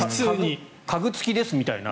家具付きですみたいな。